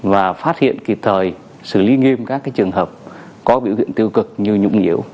và phát hiện kịp thời xử lý nghiêm các trường hợp có biểu hiện tiêu cực như nhũng nhiễu